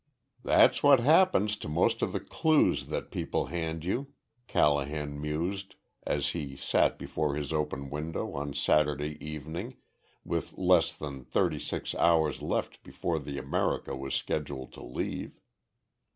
"That's what happens to most of the 'clues' that people hand you," Callahan mused as he sat before his open window on Saturday evening, with less than thirty six hours left before the America was scheduled to leave.